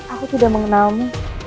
aku tidak mengenalmu